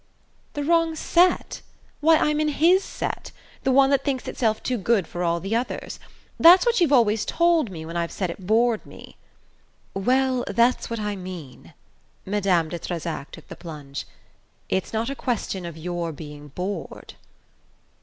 "The wrong set? Why, I'm in HIS set the one that thinks itself too good for all the others. That's what you've always told me when I've said it bored me." "Well, that's what I mean " Madame de Trezac took the plunge. "It's not a question of your being bored."